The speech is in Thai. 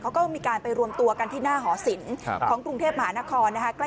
เขาก็มีการไปรวมตัวกันที่หน้าหอศิลป์ของกรุงเทพมหานครนะคะ